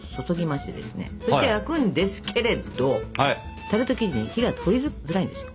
そして焼くんですけれどタルト生地に火が通りづらいんですよ。